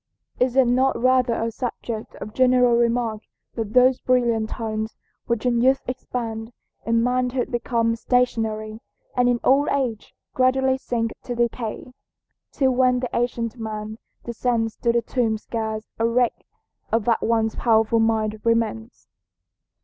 Is it not rather a subject of general remark that those brilliant talents which in youth expand, in manhood become stationary, and in old age gradually sink to decay? Till when the ancient man descends to the tomb scarce a wreck of that once powerful mind remains.